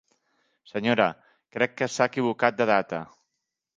Senyora, crec que s'ha equivocat de data.